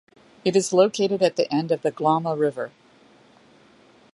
It is located at the end of the Glomma River.